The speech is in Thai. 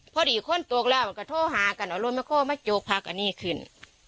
พอดีคนตกแล้วก็โทรหากันเอารถมาโคมาจกผักอันนี้ขึ้น